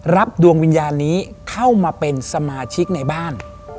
ดวงวิญญาณนี้เข้ามาเป็นสมาชิกในบ้าน